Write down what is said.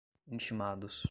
intimados